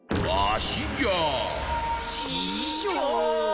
ししょう！